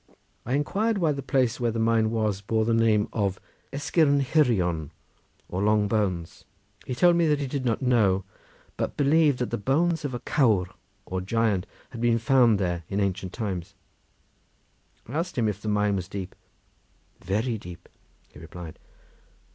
I inquired why the place where the mine was bore the name of Esgyrn Hirion, or Long Bones. He told me that he did not know, but believed that the bones of a cawr, or giant, had been found there in ancient times. I asked him if the mine was deep. "Very deep," he replied.